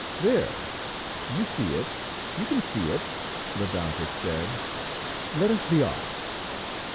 "There! You see it, you can see it!" Ledantec said. "Let us be off."